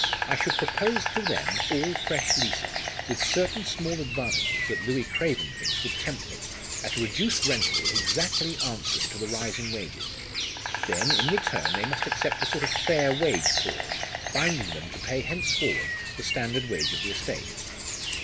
I should propose to them all fresh leases, with certain small advantages that Louis Craven thinks would tempt them, at a reduced rental exactly answering to the rise in wages. Then, in return they must accept a sort of fair wage clause, binding them to pay henceforward the standard wage of the estate."